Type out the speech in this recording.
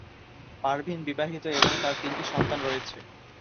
পারভীন বিবাহিত এবং তার তিনটি সন্তান রয়েছে।